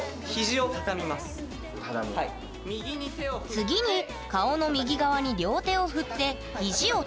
次に顔の右側に両手を振って肘をたたむ。